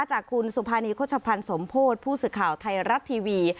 จากคุณสุภานีโฆษภัณฑ์สมโพธิผู้สื่อข่าวไทยรัฐทีวี